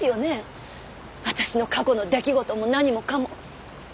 私の過去の出来事も何もかも。